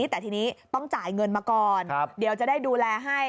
แต่ทีนี้ต้องจ่ายเงินมาก่อนเดี๋ยวจะได้ดูแลให้